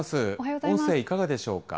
音声いかがでしょうか。